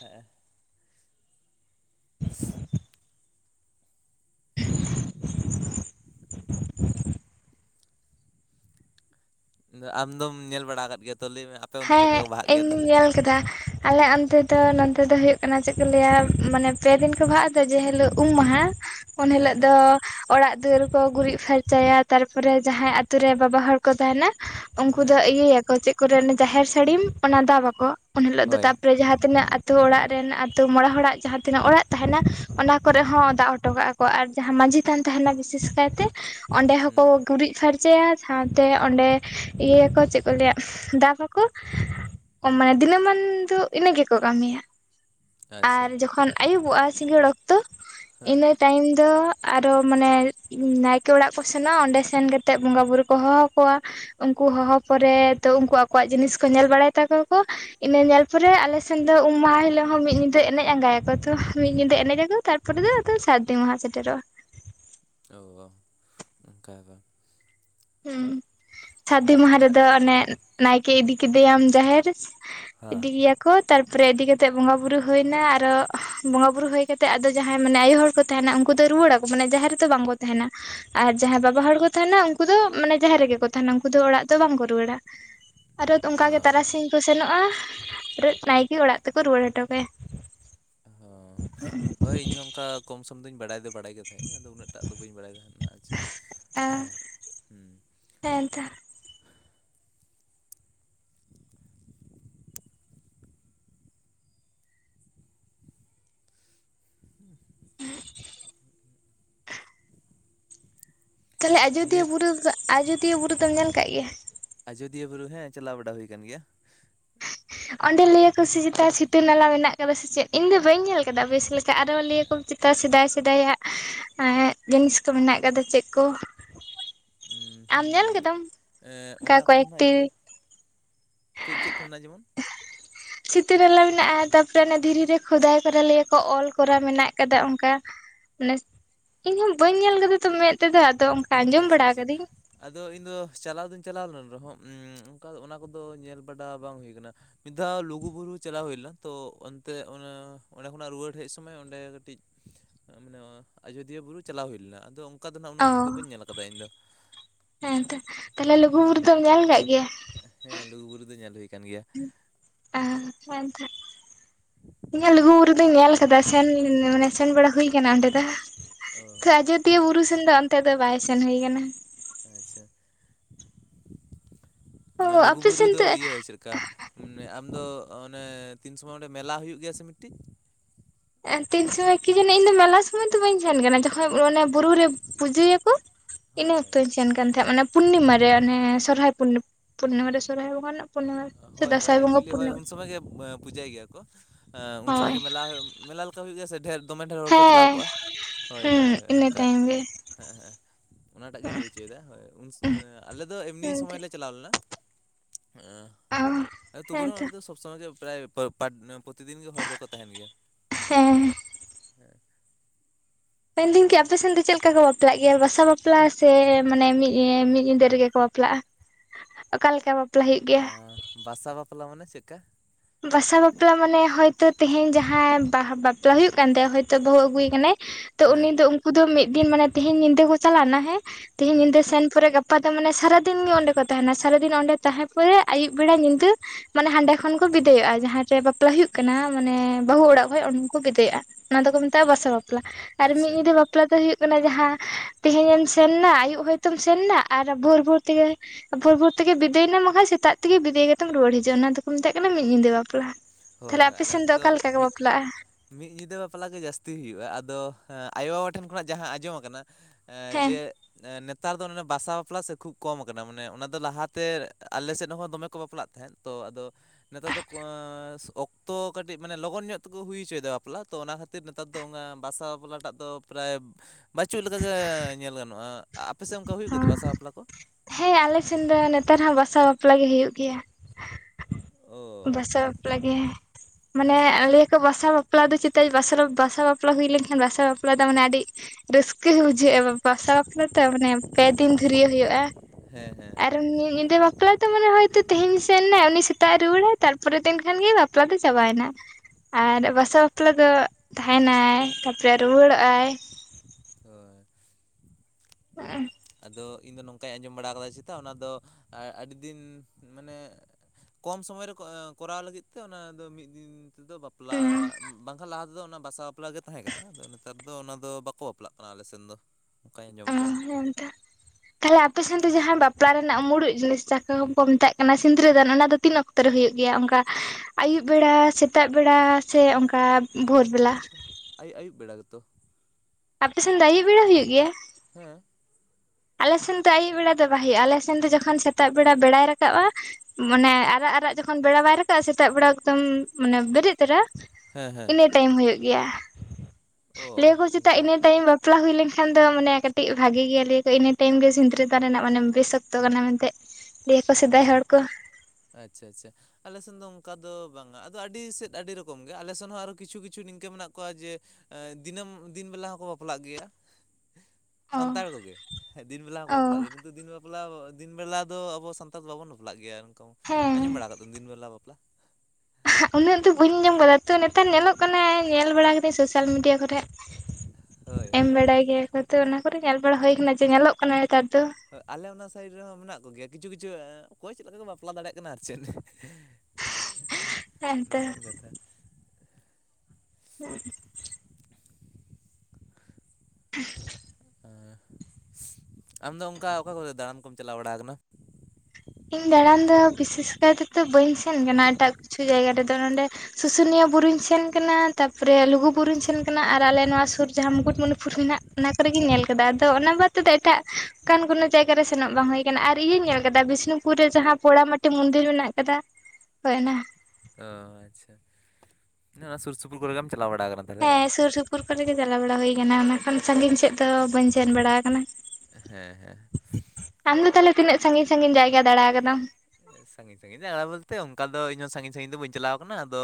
ᱦᱮᱸ [inaudible] ᱟᱢᱫᱚᱢ ᱧᱮᱞ ᱵᱟᱲᱟ ᱟᱠᱟᱫ ᱜᱮᱭᱟ ᱛᱚ ᱞᱟᱹᱭ ᱢᱮ ᱟᱯ? ᱦᱮᱸ ᱤᱧᱤᱧ ᱧᱮᱞ ᱠᱮᱫᱟ ᱟᱞᱮ ᱟᱱᱛᱩ ᱫᱚ ᱱᱚᱛᱮ ᱫᱚ ᱦᱩᱭᱩᱜ ᱠᱟᱱᱟ ᱪᱮᱫ ᱠᱚ ᱞᱟᱹᱭᱟ ᱢᱟᱱᱮ ᱯᱮ ᱫᱤᱱ ᱠᱚ ᱵᱟᱦᱟᱜ ᱟᱫᱚ ᱡᱮ ᱦᱤᱞᱳᱜ ᱩᱢ ᱢᱟᱦᱟ ᱩᱱ ᱦᱮᱸ ᱦᱤᱞᱳᱜ ᱫᱚ ᱦᱮᱸ ᱚᱲᱟᱜ ᱫᱩᱣᱟᱹᱨᱠᱚ ᱜᱩᱨᱤᱡ ᱯᱷᱟᱨᱪᱟᱭᱟ ᱛᱟᱨᱯᱚᱨᱮ ᱡᱟᱦᱟᱸᱟᱸᱟᱭ ᱟᱛᱳ ᱨᱮ ᱵᱟᱵᱟ ᱦᱚᱲ ᱠᱚ ᱛᱟᱦᱮᱱᱟ᱾ ᱩᱱᱠᱩ ᱦᱮᱸ ᱫᱚ ᱤᱭᱟᱹᱭᱟᱠᱚ ᱪᱮᱫ ᱠᱚᱨᱮ ᱡᱟᱦᱮᱨ ᱥᱟᱹᱲᱤᱢ ᱚᱱᱟ ᱫᱟᱵ ᱟᱠᱚ ᱩᱱᱦᱤᱞᱚᱜ ᱫᱚ ᱦᱳᱭ ᱛᱟᱯᱚᱨᱮ ᱡᱟᱦᱟᱸᱛᱤᱱᱟᱹᱜ ᱟᱛᱳ ᱚᱲᱟᱜ ᱨᱮᱱ ᱟᱛᱳ ᱢᱚᱬᱮ ᱦᱚᱲᱟᱜ ᱡᱟᱦᱟᱸ ᱛᱤᱱᱟᱹᱜ ᱚᱲᱟᱜ ᱛᱟᱦᱮᱱᱟ ᱚᱱᱟ ᱦᱩᱸ ᱠᱚᱨᱮ ᱦᱚᱸ ᱫᱟᱜ ᱚᱴᱚᱠ ᱠᱟᱜᱼᱟ᱾ ᱟᱨ ᱡᱟᱦᱟᱸ ᱢᱟᱟᱹᱡᱷᱤ ᱛᱷᱟᱱ ᱛᱟᱦᱮᱱᱟ ᱵᱤᱥᱮᱥ ᱠᱟᱭᱛᱮ ᱚᱸᱰᱮ ᱦᱩᱸ ᱦᱚᱸᱠᱚ ᱜᱩᱨᱤᱡᱽ ᱯᱷᱟᱨᱪᱟᱭᱟ ᱥᱟᱶᱛᱮ ᱚᱸᱰᱮ ᱤᱭᱟᱹᱭᱟᱠᱚ ᱪᱮᱫ ᱠᱚ ᱞᱟᱹᱭᱟ ᱫᱟᱵ ᱟ ᱠᱚ ᱢᱟᱱᱮ ᱫᱤᱱᱟᱹᱢᱟᱱ ᱫᱚ ᱤᱱᱟᱹ ᱜᱮᱠᱚ ᱠᱟᱹᱢᱤᱭᱟ᱾ ᱟᱪᱪᱷᱟ ᱟᱨ ᱡᱚᱠᱷᱚᱱ ᱟᱹᱭᱩᱵᱚᱜᱼᱟ ᱥᱤᱸᱜᱟᱹᱲ ᱚᱠᱛᱚ ᱦᱮᱸ ᱤᱱᱟᱹ ᱴᱟᱭᱤᱢ ᱫᱚ ᱟᱨᱚ ᱢᱟᱱᱮ ᱱᱟᱹᱭᱠᱮ ᱚᱲᱟᱜ ᱠᱚ ᱥᱮᱱᱚᱜ ᱚᱸᱰᱮ ᱥᱮᱱ ᱠᱟᱛᱮᱜ ᱵᱚᱸᱜᱟ ᱵᱩᱨᱩ ᱠᱚ ᱦᱚᱦᱚ ᱟᱠᱚᱣᱟ᱾ ᱩᱱᱠᱩ ᱦᱚᱦᱚ ᱯᱚᱨᱮ ᱛᱚ ᱩᱱᱠᱩ ᱟᱠᱚᱣᱟᱜ ᱡᱤᱱᱤᱥ ᱠᱚ ᱧᱮᱞ ᱵᱟᱲᱟᱭ ᱛᱟᱠᱚ ᱠᱚ ᱤᱱᱟᱹ ᱧᱮᱞ ᱯᱚᱨᱮ ᱟᱞᱮᱥᱮᱱ ᱫᱚ ᱩᱢ ᱢᱟᱦᱟ ᱦᱤᱞᱳᱜ ᱦᱚᱸ ᱢᱤᱫ ᱧᱤᱫᱟᱹ ᱮᱱᱮᱡ ᱟᱸᱜᱟᱭᱟᱠᱚ ᱛᱚ ᱢᱤᱫ ᱧᱤᱫᱟᱹ ᱮᱱᱮᱡ ᱟᱹᱠᱚ ᱛᱟᱨᱯᱚᱨᱮ [inaudible] ᱥᱮᱴᱮᱨᱚᱜ ᱟ ᱳᱚ ᱚᱱᱠᱟ ᱵᱟᱝ ᱦᱩᱸ ᱥᱟᱫᱤ ᱢᱟᱦᱟ ᱦᱮᱸ ᱨᱮᱫᱚ ᱚᱱᱮ ᱱᱟᱭᱠᱤ ᱤᱫᱤ ᱠᱤᱫᱤᱭᱟᱢ ᱡᱟᱦᱮᱨ ᱤᱫᱤ ᱜᱮᱭᱟᱠᱳ ᱛᱟᱨᱯᱚᱨᱮ ᱤᱫᱤ ᱠᱟᱛᱮ ᱵᱚᱸᱜᱟ ᱵᱩᱨᱩ ᱦᱩᱭᱱᱟ ᱟᱨᱚ ᱵᱚᱸᱜᱟ ᱵᱩᱨᱩ ᱦᱩᱭ ᱠᱟᱛᱮᱜ ᱟᱫᱚ ᱡᱟᱦᱟᱸᱭ ᱢᱟᱱᱮ ᱟᱭᱳ ᱦᱚᱲ ᱠᱚ ᱛᱟᱦᱮᱱᱟ ᱩᱱᱠᱩ ᱫᱚ ᱨᱩᱣᱟᱹᱲᱟᱠᱚ ᱢᱟᱱᱮ ᱡᱟᱦᱮᱨ ᱨᱮᱫᱚ ᱵᱟᱝᱠᱚ ᱛᱟᱦᱮᱱᱟ᱾ ᱟᱨ ᱡᱟᱦᱟᱸ ᱵᱟᱵᱟ ᱦᱚᱲ ᱠᱚ ᱛᱟᱦᱮᱱᱟ ᱩᱱ ᱩᱱᱠᱩ ᱫᱚ ᱢᱟᱱᱮ ᱡᱟᱦᱮᱨ ᱨᱮᱜᱮ ᱠᱚ ᱛᱟᱦᱮᱱᱟ᱾ ᱩᱱᱠᱩ ᱫᱚ ᱚᱲᱟᱜ ᱫᱚ ᱵᱟᱝ ᱠᱚ ᱨᱩᱣᱟᱹᱲᱟ᱾ ᱟᱫᱚ ᱚᱱᱠᱟ ᱜᱮ ᱦᱮᱸ ᱛᱟᱨᱟᱥᱤᱧ ᱠᱚ ᱥᱮᱱᱚᱜ-ᱟ ᱱᱟᱭᱠᱤ ᱚᱲᱟᱜ ᱛᱮᱠᱚ ᱨᱩᱣᱟᱹᱲ ᱦᱚᱴᱚ ᱠᱟᱭᱟᱹ ᱦᱚ ᱦᱳᱭ ᱤᱧ ᱦᱚ ᱚᱱᱠᱟ ᱠᱚᱢ ᱥᱚᱢ ᱫᱩᱧ ᱵᱟᱲᱟᱭ ᱫᱚ ᱵᱟᱲᱟᱭ ᱜᱮ ᱛᱟᱦᱮᱸᱤᱧ ᱟᱫᱚ ᱩᱱᱟᱹᱜ ᱴᱟᱜ ᱫᱚ ᱵᱟᱹᱧ ᱵᱟᱲᱟᱭ ᱛᱟᱦᱮᱱᱟ ᱟᱨ ᱪᱮᱫ ᱦᱟ ᱦᱩ ᱦᱮᱸ ᱮᱱᱛᱮ [inaudible] ᱦᱩᱸ [inaudible] [inaudible] ᱛᱟᱦᱚᱞᱮ ᱱᱤᱭᱟᱹ ᱟᱡᱚᱫᱤᱭᱟᱹ ᱵᱩᱨᱩ ᱫᱚ ᱟᱡᱚᱫᱤᱭᱟᱹ ᱵᱩᱨᱩ ᱫᱚᱢ ᱧᱮᱞ ᱠᱟᱜ ᱜᱮᱭᱟ? ᱟᱡᱚᱫᱤᱭᱟᱹ ᱵᱩᱨᱩ ᱦᱮᱸ ᱪᱟᱞᱟᱣ ᱵᱟᱲᱟ ᱦᱩᱭ ᱠᱟᱱ ᱜᱮᱭᱟ, ᱚᱸᱰᱮ ᱞᱟᱹᱭ ᱠᱚ ᱥᱮ ᱟᱫᱚ ᱪᱮ ᱛᱟ ᱥᱤᱛᱟᱹ ᱱᱟᱞᱟ ᱢᱮᱱᱟᱜ ᱠᱟᱫᱟ ᱥᱮ ᱪᱮᱫ ᱤᱧ ᱫᱚ ᱵᱟᱹᱧ ᱧᱮᱞ ᱟᱠᱟᱫᱟ ᱵᱮᱥ ᱞᱮᱠᱟ ᱟᱫᱚ ᱞᱟᱹᱭ ᱠᱚ ᱪᱮᱛ ᱥᱮᱫᱟᱭ ᱥᱮᱫᱟᱭᱟᱜ ᱡᱤᱱᱤᱥ ᱠᱚ ᱢᱮᱱᱟᱜ ᱠᱟᱫᱟ ᱪᱮᱫ ᱠᱚ ᱩ ᱟᱢ ᱦᱩᱸ ᱧᱮᱞ ᱠᱮᱫᱟᱢ ᱚᱱᱠᱟ ᱚᱱᱟ ᱠᱚᱫᱚ ᱦᱟᱜ ᱤᱧᱫᱚ ᱠᱚᱭᱮᱠᱴᱤ ᱪᱮᱫ ᱪᱮᱫ ᱠᱚ ᱢᱮᱱᱟᱜ-ᱟ ᱡᱮᱢᱚᱱ? ᱥᱤᱛᱟᱹ ᱱᱟᱞᱟ ᱢᱮᱱᱟᱜ-ᱟ ᱛᱟᱨᱯᱚᱨᱮ ᱚᱱᱮ ᱫᱷᱤᱨᱤ ᱠᱷᱚᱫᱟᱭ ᱠᱚᱨᱟ ᱞᱟᱹᱭᱟᱠᱚ ᱚᱞ ᱠᱚᱨᱟ ᱢᱮᱱᱟᱜ ᱟᱠᱟᱫᱟ ᱚᱱᱠᱟ ᱢᱟᱱᱮ ᱤᱧᱦᱚᱸ ᱵᱟᱹᱧ ᱧᱮᱞ ᱠᱟᱫᱟ ᱛᱚ ᱢᱮᱸᱫ ᱛᱮᱫᱚ ᱟᱫᱚ ᱚᱝᱠᱟ ᱟᱸᱡᱚᱢ ᱟᱪᱪᱷᱟ ᱵᱟᱲᱟ ᱟᱪᱪᱷᱟ ᱠᱟᱹᱫᱟᱹᱧ, ᱟᱫᱚ ᱤᱧ ᱫᱚ ᱪᱟᱞᱟᱣ ᱫᱚᱧ ᱪᱟᱞᱟᱣ ᱞᱮᱱ ᱨᱮᱦᱚᱸ ᱩᱸ ᱚᱱᱠᱟ ᱚᱱᱟ ᱠᱚᱫᱚ ᱧᱮᱞ ᱵᱟᱰᱟ ᱵᱟᱝ ᱦᱩᱭ ᱠᱟᱱᱟ᱾ ᱢᱤᱫ ᱫᱷᱟᱣ ᱞᱩᱜᱩ ᱵᱩᱨᱩ ᱪᱟᱞᱟᱣ ᱦᱩᱭ ᱞᱮᱱᱟ᱾ ᱛᱚ ᱚᱱᱛᱮ ᱚᱱᱟ ᱚᱸᱰᱮ ᱠᱷᱚᱱᱟᱜ ᱨᱩᱣᱟᱹᱲ ᱦᱮᱡ ᱥᱩᱢᱚᱭ ᱚᱸᱰᱮ ᱠᱟᱹᱴᱤᱡ ᱢᱟᱱᱮ ᱟᱡᱚᱫᱤᱭᱟᱹ ᱵᱩᱨᱩ ᱪᱟᱞᱟᱣ ᱦᱩᱭ ᱞᱮᱱᱟ ᱟᱫᱚ ᱚᱱᱠᱟ ᱫᱚ ᱦᱟᱸᱜ ᱩᱱᱟᱹᱜ ᱚ ᱠᱤᱪᱷᱩ ᱫᱚ ᱵᱟᱹᱧ ᱧᱮᱞ ᱠᱟᱫᱟ ᱤᱧ ᱫᱚ ᱦᱮᱸᱛᱚ ᱛᱟᱦᱞᱮ ᱞᱩᱜᱩ ᱵᱩᱨᱩ ᱫᱚᱢ ᱧᱮᱞ ᱠᱟᱜ ᱜᱮᱭᱟ? ᱦᱮᱸ ᱞᱩᱜᱩᱵᱩᱨᱩ ᱫᱚ ᱧᱮᱞ ᱦᱩᱭ ᱠᱟᱱ ᱜᱮᱭᱟ ᱤᱧ ᱦᱚᱸ ᱞᱩᱜᱩᱵᱩᱨᱩ ᱫᱚᱧ ᱧᱮᱞ ᱫᱟ ᱥᱮᱱ ᱢᱟᱱᱮ ᱥᱮᱱ ᱵᱟᱲᱟ ᱦᱩᱭ ᱠᱟᱱᱟ ᱚᱸᱰᱮ ᱫᱚ ᱚ ᱟᱡᱚᱫᱤᱭᱟᱹ ᱵᱩᱨᱩ ᱥᱮᱸ ᱤᱱ ᱫᱚ ᱚᱱᱛᱮ ᱫᱚ ᱵᱟᱭ ᱥᱮᱱ ᱦᱩᱭ ᱠᱟᱱᱟ ᱟᱪᱪᱷᱟ ᱚ ᱟᱯᱮ ᱞᱩᱜᱩᱵᱩᱨᱩ ᱥᱮᱱ ᱫᱚ ᱤᱭᱟᱹ ᱥᱮᱫ ᱠᱟ ᱟᱢᱫᱚ ᱚᱱᱮ ᱛᱤᱱ ᱥᱚᱢᱚᱭ ᱚᱸᱰᱮ ᱢᱮᱞᱟ ᱦᱩᱭᱩᱜ ᱜᱮᱭᱟ ᱥᱮ ᱢᱤᱫᱴᱤᱡ? ᱮ ᱛᱤᱱ ᱥᱚᱢᱚᱭ ᱠᱤ ᱡᱟᱱᱤ ᱤᱧ ᱫᱚ ᱢᱮᱞᱟ ᱥᱚᱢᱚᱭ ᱫᱚ ᱵᱟᱹᱧ ᱥᱮᱱ ᱠᱟᱱᱟ ᱡᱚ ᱟᱡ ᱚᱱᱮ ᱵᱩᱨᱩ ᱨᱮ ᱯᱩᱡᱟᱹᱭᱟᱠᱩ ᱤᱱᱟᱹ ᱦᱳᱭ ᱦᱳᱭ ᱚᱠᱛᱚᱧ ᱥᱮᱱ ᱠᱟᱱ ᱛᱟᱦᱮᱸᱜ ᱢᱟᱱᱮ ᱯᱩᱱᱱᱤᱢᱟ ᱨᱮ ᱚᱱᱮ ᱥᱚᱨᱦᱟᱭ ᱯᱩᱱᱱᱤ ᱯᱩᱱᱱᱤᱢᱟ ᱨᱮ ᱥᱚᱨᱦᱟᱭ ᱵᱚᱸᱜᱟ ᱱᱟᱜ ᱦᱳᱭ ᱦᱳᱭ ᱮᱠᱪᱩᱭᱮᱞᱤ ᱦᱳᱭ ᱩᱱ ᱥᱚᱢᱚᱭ ᱜᱮ ᱯᱩᱡᱟᱹᱭ ᱜᱮᱭᱟ ᱠᱚ ᱩᱱ ᱥᱚᱢᱚᱭ ᱦᱳᱭ ᱜᱮ ᱢᱮᱞᱟ ᱦᱩᱭᱩᱜ ᱾ ᱢᱮᱞᱟ ᱞᱮᱠᱟ ᱦᱩᱭᱩᱜ ᱜᱮᱭᱟ ᱥᱮ ᱰᱷᱮᱨ ᱫᱚᱢᱮ ᱰᱷᱮᱨ ᱦᱚᱲ ᱠᱚ ᱪᱟᱞᱟᱣ ᱦᱮᱸ ᱠᱚᱜᱼᱟ ᱾ ᱦᱳᱭ ᱦᱩᱸ ᱦᱳᱭ ᱤᱱᱟᱹ ᱚᱱᱠᱟ ᱛᱟᱭᱚᱢ ᱜᱮ ᱾ ᱦᱮᱸ ᱦᱮᱸ ᱾ ᱚᱱᱟᱴᱟᱜ ᱜᱤᱧ ᱞᱟᱹᱭ ᱚᱪᱚᱭᱮᱫᱟ ᱾ ᱦᱳᱭ ᱩᱱ ᱟᱞᱮᱫ ᱫᱚ ᱮᱢᱱᱤ ᱥᱚᱢᱚᱭ ᱞᱮ ᱪᱟᱞᱟᱣ ᱞᱮᱱᱟ ᱾ ᱚ ᱦᱮ ᱛᱚᱵᱩ ᱦᱮᱸᱛᱚ ᱚᱸᱰᱮ ᱫᱚ ᱥᱚᱵ ᱥᱚᱢᱚᱭ ᱜᱮ ᱯᱨᱟᱭ [inaudible] ᱯᱚᱛᱤᱫᱤᱱ ᱜᱮ ᱦᱚᱲ ᱫᱚᱠᱚ ᱛᱟᱦᱮᱱ ᱜᱮᱭᱟ, ᱦᱮᱸ ᱦᱮᱸ᱾ ᱢᱮᱱᱫᱟᱹᱧ ᱠᱤ ᱟᱯᱮᱥᱱ ᱫᱚ ᱪᱮᱫ ᱞᱮᱠᱟ ᱠᱚ ᱵᱟᱯᱞᱟᱜ ᱜᱮᱭᱟ ᱵᱟᱥᱟ ᱵᱟᱯᱞᱟ ᱥᱮ ᱢᱟᱱᱮ ᱢᱤᱫ ᱤᱭᱮᱸᱢᱤᱫ ᱧᱤᱫᱟᱹ ᱨᱮᱜᱮ ᱠᱚ ᱵᱟᱯ? ᱵᱟᱯᱞᱟᱜ ᱟ ᱚᱠᱟᱞ ᱞᱮᱠᱟ ᱵᱟᱯ ᱟ ᱵᱟᱥᱟ ᱵᱟᱯᱞᱟ ᱢᱟᱱᱮ ᱪᱮᱫᱞᱮᱠᱟ? ᱵᱟᱥᱟ ᱵᱟᱯᱞᱟ ᱢᱟᱱᱮ ᱦᱚᱭᱛᱳ ᱛᱮᱦᱮᱧ ᱡᱟᱦᱟᱸᱭ ᱵᱟᱯᱞᱟ ᱦᱩᱭᱩᱜ ᱠᱟᱱ ᱛᱟᱭᱟ ᱦᱚᱭᱛᱳ ᱵᱟᱹᱦᱩ ᱟᱹᱜᱩᱭ ᱠᱟᱱᱮ ᱛᱚ ᱩᱱᱤ ᱦᱮᱸ ᱫᱚ ᱩᱱᱠᱩ ᱫᱚ ᱢᱤᱫ ᱫᱤᱱ ᱢᱟᱱᱮ ᱛᱮᱦᱮᱧ ᱧᱤᱫᱟᱹ ᱠᱚ ᱪᱟᱞᱟᱣ ᱱᱟ ᱦᱮ ᱛᱮᱦᱮᱧ ᱦᱮᱸ ᱧᱤᱫᱟᱹ ᱥᱮᱱ ᱯᱚᱨᱮ ᱜᱟᱯ ᱯᱟᱫᱚ ᱢᱟᱱᱮ ᱥᱟᱨᱟ ᱫᱤᱱ ᱜᱮ ᱚᱸᱰᱮ ᱠᱚ ᱛᱟᱦᱮᱱᱟ ᱥᱟᱨᱟ ᱫᱤᱱ ᱚᱸᱰᱮ ᱛᱟᱦᱮᱸ ᱯᱚᱨᱮ ᱟᱹᱭᱩᱵ ᱵᱮᱲᱟ ᱧᱤᱫᱟᱹ ᱢᱟᱱᱮ ᱦᱟᱸᱰᱮ ᱠᱷᱚᱱ ᱠᱚ ᱵᱤᱫᱟᱹᱭᱚᱜ-ᱟ ᱡᱟᱦᱟᱸ ᱨᱮ ᱵᱟᱯᱞᱟ ᱦᱩᱭᱩᱜ ᱠᱟᱱᱟ ᱢᱟᱱᱮ ᱵᱟᱹᱦᱩ ᱚᱲᱟᱜ ᱠᱷᱚᱡ ᱩᱱᱠᱩ ᱠᱚ ᱵᱤᱫᱟᱹᱭᱚᱜ-ᱟ ᱚᱱᱟ ᱫᱚᱠᱚ ᱢᱮᱛᱟᱜ-ᱟ ᱵᱟᱥᱟ ᱵᱟᱯᱞᱟ ᱟᱨ ᱢᱤᱫ ᱟᱪᱪᱷᱟ ᱧᱤᱫᱟᱹ ᱵᱟᱯ ᱵᱟᱯᱞᱟ ᱫᱚ ᱦᱩᱭᱩᱜ ᱠᱟᱱᱟ ᱡᱟᱦᱟᱸ ᱛᱤᱦᱤᱧᱮᱢ ᱥᱮᱱ ᱱᱟ ᱟᱹᱭᱩᱵ ᱦᱚᱭᱛᱚᱢ ᱥᱮᱱ ᱱᱟ ᱟᱨ ᱵᱷᱳᱨ ᱵᱷᱳᱨ ᱛᱮᱜᱮ- ᱵᱦᱳᱨ ᱵᱷᱤᱨ ᱛᱮ ᱜᱮ ᱵᱤᱫᱟᱹᱭᱮᱱᱟ ᱵᱟᱠᱷᱟᱱ ᱥᱮᱛᱟᱜ ᱛᱮᱜᱮ ᱵᱤᱫᱟᱹᱭ ᱠᱟᱛᱮᱢ ᱨᱩᱭᱟᱹᱲ ᱦᱤᱡᱩᱜᱼᱟ ᱚᱱᱟ ᱫᱚᱠᱚ ᱢᱮᱛᱟᱜ ᱠᱟᱱᱟ ᱢᱤᱫ ᱧᱤᱫᱟᱹ ᱵᱟᱯᱞᱟ ᱾ ᱦᱳᱭ ᱛᱟᱦᱞᱮ ᱦᱳᱭ ᱟᱯᱮ ᱟᱞᱮ ᱥᱮᱱ ᱚᱱᱛᱮ ᱫᱚ ᱚᱠᱟ ᱞᱠᱟ ᱠᱚ ᱢᱤᱫ ᱵᱟᱯᱞᱟᱜᱼᱟ? ᱢᱤᱫ ᱧᱤᱫᱟᱹ ᱵᱟᱯᱞᱟ ᱜᱮ ᱡᱟᱹᱥᱛᱤ ᱦᱩᱭᱩᱜᱼᱟ ᱟᱫᱚ ᱟᱭᱳᱼᱵᱟᱵᱟ ᱴᱷᱮᱱ ᱠᱷᱚᱱᱟᱜ ᱡᱟᱦᱟᱸ ᱟᱸᱡᱚᱢ ᱠᱟᱱᱟ ᱾ ᱦᱮᱸ ᱡᱮ ᱾ ᱱᱮᱛᱟᱨ ᱫᱚ ᱵᱟᱥᱟ ᱵᱟᱯᱞᱟ ᱥᱮ ᱠᱷᱩᱵ ᱠᱚᱢ ᱟᱠᱟᱱᱟ ᱢᱟᱱᱮ ᱚᱱᱟ ᱫᱚ ᱞᱟᱦᱟ ᱛᱮ ᱟᱞᱮ ᱥᱮᱫ ᱦᱚᱸ ᱫᱚᱢᱮ ᱠᱚ ᱵᱟᱯᱞᱟ ᱠᱟᱱᱟ ᱛᱟᱦᱮᱸᱫ ᱛᱚ ᱟᱫᱚ ᱱᱮᱛᱟᱨ ᱫᱚ [unintelligible] ᱚᱠᱛᱚ ᱠᱟᱹᱴᱤᱡ ᱢᱟᱱᱮ ᱞᱚᱜᱚᱱ ᱧᱚᱜ ᱛᱮ ᱠᱚ ᱦᱩᱭ ᱦᱚᱪᱚᱭᱮᱫᱟ ᱵᱟᱯᱞᱟ ᱛᱚ ᱚᱱᱟ ᱠᱷᱟᱹᱛᱤᱨ ᱱᱮᱛᱟᱨ ᱫᱚ ᱚᱱᱟ ᱵᱟᱥᱟ ᱵᱟᱯᱞᱟᱴᱟᱜ ᱫᱚ ᱯᱨᱟᱭ ᱵᱟᱹᱪᱩ ᱞᱮᱠᱟ ᱜᱮ ᱧᱮᱞ ᱜᱟᱱᱚᱜᱼᱟ ᱟᱯᱮ ᱥᱮᱫ ᱚᱱᱠᱟ ᱦᱩᱭᱩᱜ ᱜᱮ ᱛᱚ ᱵᱟᱥᱟ ᱵᱟᱯᱞᱟ ᱠᱚ? ᱦᱮᱸ ᱟᱞᱮ ᱥᱮᱱ ᱫᱚ ᱱᱮᱛᱟᱨ ᱦᱚᱸ ᱵᱟᱥᱟ ᱵᱟᱯᱞᱟ ᱜᱮ ᱦᱩᱭᱩᱜ ᱜᱮᱭᱟ ᱾ ᱚ ᱵᱟᱥᱟ ᱵᱟᱯᱞᱟ ᱜᱮ ᱢᱟᱱᱮ ᱟᱪᱪᱷᱟ ᱟᱪᱪᱷᱟ ᱟᱞᱮ ᱠᱚ ᱵᱟᱥᱟ ᱵᱟᱯᱞᱟ ᱫᱚ ᱪᱮᱫᱟ ᱵᱟᱥᱟ ᱵᱟᱯᱞᱟ ᱵᱟᱯᱞᱟ ᱦᱩᱭ ᱞᱮᱱ ᱠᱷᱟᱱ ᱵᱟᱥᱟ ᱵᱟᱯᱞᱟ ᱫᱚ ᱢᱟᱱᱮ ᱟᱹᱰᱤ ᱨᱟᱹᱥᱠᱟᱹ ᱵᱩᱡᱷᱟᱹᱜᱼᱟ ᱵᱟᱥᱟ ᱵᱟᱯᱞᱟ ᱛᱚ ᱢᱟᱱᱮ ᱯᱮ ᱫᱤᱱ ᱫᱷᱩᱨᱮ ᱦᱩᱭᱩᱜᱼᱟ ᱾ ᱦᱮᱸ ᱦᱮᱸ ᱾ ᱟᱨ ᱧᱤᱫᱟᱹ ᱵᱟᱯᱞᱟ ᱛᱚ ᱢᱟᱱᱮ ᱦᱳᱭᱛᱚ ᱛᱮᱦᱮᱧ ᱥᱮᱱ ᱮᱱᱟᱭ ᱩᱱᱤ ᱥᱮᱛᱟᱜ ᱨᱮ ᱛᱟᱨᱯᱚᱨᱮ ᱫᱤᱱ ᱠᱷᱟᱱ ᱜᱮ ᱵᱟᱯᱞᱟ ᱫᱚ ᱪᱟᱵᱟᱭᱮᱱᱟ ᱟᱨ ᱦᱩᱸ ᱵᱟᱥᱟ ᱵᱟᱯᱞᱟ ᱫᱚ ᱛᱟᱦᱮᱱᱟᱭ ᱛᱟᱯᱚᱨᱮ ᱨᱩᱣᱟᱹᱲᱚᱜᱟᱭ ᱾ ᱦᱳᱭ ᱾ ᱦᱮᱸ ᱟᱫᱚ ᱤᱧ ᱫᱚ ᱱᱚᱝᱠᱟᱹᱧ ᱟᱸᱡᱚᱢ ᱵᱟᱲᱟ ᱠᱟᱫᱟ ᱪᱮᱛᱟ ᱚᱱᱟ ᱫᱚ ᱟᱹᱰᱤ ᱫᱤᱱ ᱢᱟᱱᱮ ᱠᱚᱢ ᱥᱚᱢᱚᱭ ᱨᱮ ᱠᱚᱨᱟᱣ ᱞᱟᱹᱜᱤᱫ ᱛᱮ ᱚᱱᱟ ᱫᱚ ᱢᱤᱫ ᱫᱤᱱ ᱛᱮ ᱫᱚ ᱵᱟᱯᱞᱟ ᱦᱩᱸ ᱵᱟᱝᱠᱷᱟᱱ ᱞᱟᱦᱟ ᱛᱮ ᱫᱚ ᱚᱱᱟ ᱵᱟᱥᱟ ᱵᱟᱯᱞᱟ ᱜᱮ ᱛᱟᱦᱮᱸ ᱠᱟᱱᱟ ᱟᱫᱚ ᱱᱮᱛᱟᱨ ᱫᱚ ᱟᱫᱚ ᱚᱱᱟ ᱫᱚ ᱵᱟᱠᱚ ᱵᱟᱯᱞᱟᱜ ᱠᱟᱱᱟ ᱟᱞᱮ ᱥᱮᱱ ᱫᱚ ᱾ ᱟᱨ ᱦᱮᱸ ᱛᱚ ᱛᱟᱦᱚᱞᱮ ᱟᱯᱮ ᱥᱮᱱ ᱫᱚ ᱡᱟᱦᱟᱸᱭ ᱵᱟᱯᱞᱟ ᱨᱮᱱᱟᱜ ᱢᱩᱲᱩᱛ ᱡᱤᱱᱤᱥ ᱪᱟ ᱠᱚ ᱠᱚ ᱢᱮᱛᱟᱜ ᱠᱟᱱᱟ ᱥᱤᱸᱫᱽᱨᱟᱹ ᱫᱟᱱ ᱚᱱᱟ ᱫᱚ ᱛᱤᱱᱟᱹᱜ ᱚᱠᱛᱚ ᱨᱮ ᱦᱩᱭᱩᱜ ᱜᱮᱭᱟ ᱚᱱᱠᱟ ᱟᱭᱩᱵ ᱵᱮᱲᱟ ᱥᱮᱛᱟᱜ ᱵᱮᱲᱟ ᱥᱮ ᱚᱱᱠᱟ ᱵᱷᱳᱨ ᱵᱮᱞᱟ ᱤᱱᱠᱟᱹ ᱟᱭᱩᱵ ᱟᱹᱭᱩᱵ ᱵᱮᱲᱟ ᱜᱮ ᱛᱚ ᱾ ᱟᱯᱮ ᱥᱮᱱ ᱫᱚ ᱟᱹᱭᱩᱵ ᱵᱮᱲᱟ ᱦᱩᱭᱩᱜ ᱜᱮᱭᱟ? ᱦᱮᱸ ᱾ ᱟᱞᱮ ᱥᱮᱱ ᱫᱚ ᱟᱹᱭᱩᱵ ᱵᱮᱲᱟ ᱫᱚ ᱵᱟᱭ ᱦᱩᱭᱩᱜᱼᱟ ᱟᱞᱮ ᱥᱮᱱ ᱫᱚ ᱡᱚᱠᱷᱚᱱ ᱥᱮᱛᱟᱜ ᱵᱮᱲᱟ ᱵᱮᱲᱟᱭ ᱨᱟᱠᱟᱵᱼᱟ ᱢᱟᱱᱮ ᱟᱨᱟᱜ ᱟᱨᱟᱜ ᱡᱚᱠᱷᱚᱱ ᱵᱮᱲᱟ ᱵᱟᱭ ᱨᱟᱠᱟᱵ ᱥᱮᱛᱟᱜ ᱵᱮᱲᱟ ᱮᱠᱫᱚᱢ ᱢᱟᱱᱮ ᱵᱮᱨᱮᱫ ᱛᱚᱨᱟ ᱦᱮᱸ ᱦᱮᱸ ᱾ ᱤᱱᱟᱹ ᱴᱟᱭᱤᱢ ᱦᱩᱭᱩᱜ ᱜᱮᱭᱟ ᱚ ᱞᱟᱹᱭ ᱟᱠᱚ ᱪᱮᱛᱟ ᱚᱱᱠᱟ ᱤᱱᱟᱹ ᱴᱟᱭᱤᱢ ᱵᱟᱯ ᱵᱟᱯᱞᱟ ᱦᱩᱭ ᱞᱮᱱ ᱠᱷᱟᱱ ᱫᱚ ᱢᱟᱱᱮ ᱠᱟᱹᱴᱤᱡ ᱵᱷᱟᱜᱤ ᱜᱮᱭᱟ ᱞᱟᱹᱭ ᱟᱠᱚ ᱤᱱᱟᱹ ᱴᱟᱭᱤᱢ ᱜᱮ ᱥᱤᱸᱫᱽᱨᱟᱹ ᱫᱟᱱ ᱨᱮᱱᱟᱜ ᱢᱟᱱᱮ ᱵᱮᱥ ᱚᱠᱛᱚ ᱠᱟᱱᱟ ᱢᱮᱱᱛᱮ ᱾ ᱞᱟᱹᱭ ᱟᱠᱚ ᱥᱮᱫᱟᱭ ᱚ ᱦᱚᱲ ᱠᱚ ᱾ ᱟᱪᱪᱷᱟ ᱟᱪᱪᱷᱟ ᱾ ᱟᱞᱮ ᱥᱮᱱ ᱫᱚ ᱚᱱᱠᱟ ᱫᱚ ᱵᱟᱝᱟ ᱾ ᱟᱫᱚ ᱟᱹᱰᱤ ᱥᱮᱫ ᱟᱹᱰᱤ ᱨᱚᱠᱚᱢ ᱜᱮ ᱟᱞᱮ ᱥᱮᱱ ᱦᱚᱸ ᱟᱨᱚ ᱠᱤᱪᱷᱩ ᱠᱤᱪᱷᱩ ᱱᱤᱝᱠᱟᱹ ᱢᱮᱱᱟᱜ ᱠᱚᱣᱟ ᱡᱮ ᱮᱜ ᱫᱤᱱᱟᱹᱢ ᱫᱤᱱ ᱵᱮᱞᱟ ᱦᱚᱸ ᱠᱚ ᱵᱟᱯᱞᱟᱜ ᱜᱮᱭᱟ ᱾ ᱚ ᱥᱟᱱᱛᱟᱲ ᱠᱚ ᱜᱮ ᱫᱤᱱ ᱵᱮᱞᱟ ᱦᱚᱸ ᱠᱚ ᱚ ᱵᱟᱯᱞᱟᱜ ᱜᱮᱭᱟ ᱠᱤᱱᱛᱩ ᱫᱤᱱ ᱵᱟᱯᱞᱟ ᱫᱤᱱ ᱵᱮᱞᱟ ᱫᱚ ᱟᱵᱚ ᱥᱟᱱᱛᱟᱲ ᱫᱚ ᱵᱟᱵᱚᱱ ᱵᱟᱯᱞᱟᱜ ᱜᱮᱭᱟ ᱚᱱᱠᱟ ᱦᱮᱸ ᱟᱸᱡᱚᱢ ᱵᱟᱲᱟ ᱟᱠᱟᱫᱟ ᱫᱤᱱ ᱵᱮᱞᱟ ᱵᱟᱯᱞᱟ? ᱩᱱᱟᱹᱜ ᱫᱚ ᱵᱟᱹᱧ ᱧᱚᱢ ᱟᱠᱟᱫᱟ ᱛᱚ ᱱᱮᱛᱟᱨ ᱧᱮᱞᱚᱜ ᱠᱟᱱᱟ ᱧᱮᱞ ᱵᱟᱲᱟ ᱠᱮᱫᱟ ᱥᱳᱥᱟᱞ ᱢᱤᱰᱤᱭᱟ ᱠᱚᱨᱮ ᱦᱳᱭ ᱾ ᱮᱢ ᱦᱳᱭ ᱦᱳᱭ ᱵᱟᱲᱟᱭ ᱜᱮᱭᱟ ᱠᱚ ᱛᱚ ᱚᱱᱟ ᱠᱚᱨᱮ ᱧᱮᱞ ᱵᱟᱲᱟ ᱠᱟᱱᱟ ᱡᱮ ᱧᱮᱞᱚᱜ ᱠᱟᱱᱟ ᱱᱮᱛᱟᱨ ᱫᱚ ᱾ ᱟᱞᱮ ᱚᱱᱟ ᱥᱟᱭᱤᱰ ᱨᱮ ᱦᱚᱸ ᱢᱮᱱᱟᱜ ᱠᱚ ᱜᱮᱭᱟ ᱠᱤᱪᱷᱩ ᱠᱤᱪᱷᱩ ᱚᱠᱚᱭ ᱪᱮᱫ ᱞᱮᱠᱟ ᱠᱚ ᱵᱟᱯᱞᱟ ᱫᱟᱲᱮᱭᱟᱜ ᱠᱟᱱᱟ ᱟᱨ ᱪᱮᱫ ᱦᱮᱸ ᱾ ᱤᱱᱟᱹ ᱛᱚ ᱜᱮ ᱠᱟᱛᱷᱟ ᱾ ᱦᱮᱸ ᱾ [inaudible] ᱦᱮᱸ ᱟᱢ ᱫᱚ ᱚᱱᱠᱟ ᱚᱠᱟ ᱠᱚᱨᱮ ᱫᱟᱬᱟᱱ ᱠᱚᱢ ᱪᱟᱞᱟᱣ ᱵᱟᱲᱟ ᱟᱠᱟᱱᱟ? ᱤᱧ ᱫᱟᱬᱟᱱ ᱫᱚ ᱵᱤᱥᱮᱥ ᱠᱟᱭ ᱛᱮᱫᱚ ᱵᱟᱹᱧ ᱥᱮᱱ ᱠᱟᱱᱟ, ᱮᱴᱟᱜ ᱠᱤᱪᱷᱩ ᱡᱟᱭᱜᱟ ᱨᱮᱫᱚ ᱱᱚᱰᱮ᱾ ᱥᱩᱥᱩᱱᱤᱭᱟᱹ ᱵᱩᱨᱩᱧ ᱥᱮᱱ ᱠᱟᱱᱟ ᱛᱟᱯᱚᱨᱮ ᱞᱩᱜᱩ ᱵᱩᱨᱩᱧ ᱥᱮᱱ ᱨᱮᱱᱟᱜ ᱟᱨ ᱟᱞᱮ ᱱᱚᱣᱟ ᱥᱩᱨ ᱡᱟᱦᱟᱸ ᱢᱩᱠᱩᱴᱢᱩᱱᱤᱯᱩᱨ ᱢᱮᱱᱟᱜ, ᱚᱱᱟ ᱠᱚᱨᱮᱜᱤᱧ ᱧᱮᱞ ᱠᱟᱫᱟ ᱟᱫᱚ ᱚᱱᱟ ᱵᱟᱫᱽ ᱛᱮᱫᱚ ᱮᱴᱟᱜ ᱠᱟᱱ ᱜᱩᱱᱟᱹ ᱡᱟᱭᱜᱟ ᱨᱮ ᱥᱮᱱᱚᱜ ᱵᱟᱝ ᱦᱩᱭ ᱟᱠᱟᱱᱟ ᱟᱨ ᱤᱭᱟᱹᱧ ᱧᱮᱞ ᱠᱟᱫᱟ ᱵᱤᱥ ᱯᱩᱨ ᱨᱮ ᱡᱟᱦᱟᱸ ᱯᱚᱲᱟ ᱢᱟᱹᱴᱤ ᱢᱚᱱᱫᱤᱨ ᱢᱮᱱᱟᱜ ᱠᱟᱫᱟ ᱦᱳᱭ ᱚᱱᱟ ᱾ ᱚ ᱟᱪᱪᱷᱟ ᱱᱚᱣᱟ ᱥᱩᱨ ᱥᱩᱯᱩᱨ ᱠᱚᱨᱮ ᱜᱮᱢ ᱪᱟᱞᱟᱣ ᱵᱟᱲᱟ ᱟᱠᱟᱱᱟ ᱾ ᱦᱮᱸ ᱥᱩᱨ ᱥᱩᱯᱩᱨ ᱠᱚᱨᱮᱜᱮ ᱪᱟᱞᱟᱣ ᱵᱟᱲᱟ ᱦᱩᱭ ᱟᱠᱟᱱᱟ ᱚᱱᱟ ᱠᱷᱚᱱ ᱥᱟᱺᱜᱤᱧ ᱥᱮᱫ ᱫᱚ ᱵᱟᱹᱧ ᱥᱮᱱ ᱵᱟᱲᱟ ᱠᱟᱱᱟ᱾ ᱦᱮᱸ ᱦᱮᱸ ᱟᱢ ᱫᱚ ᱛᱟᱦᱞᱮ ᱛᱤᱱᱟᱹᱜ ᱥᱟᱺᱜᱤᱧ ᱥᱟᱺᱜᱤᱧ ᱡᱟᱭᱜᱟ ᱫᱟᱬᱟ ᱟᱠᱟᱫᱟᱢ? ᱮ ᱥᱟᱺᱜᱤᱧ ᱥᱟᱺᱜᱤᱧ ᱫᱟᱬᱟ ᱵᱚᱞᱛᱮ ᱚᱱᱠᱟ ᱫᱚ ᱤᱧ ᱦᱚᱸ ᱥᱟᱺᱜᱤᱧ ᱥᱟᱺᱜᱤᱧ ᱫᱚ ᱵᱟᱹᱧ ᱪᱟᱞᱟᱣ ᱟᱠᱟᱱᱟ ᱟᱫᱚ